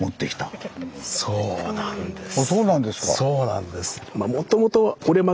あそうなんですか。